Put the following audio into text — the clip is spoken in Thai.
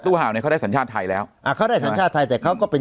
เห่าเนี่ยเขาได้สัญชาติไทยแล้วอ่าเขาได้สัญชาติไทยแต่เขาก็เป็น